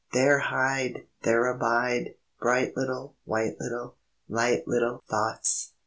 There hide! There abide! Bright little, White little, Light little Thoughts!